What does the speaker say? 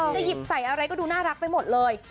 หยิบใส่อะไรก็ดูน่ารักไปหมดเลย